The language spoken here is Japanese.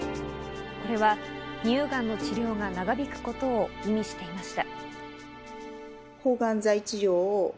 これは乳がんの治療が長引くことを意味していました。